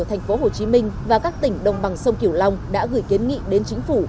thành phố hồ chí minh và các tỉnh đồng bằng sông kiểu long đã gửi kiến nghị đến chính phủ